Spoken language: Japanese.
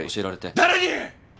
誰に！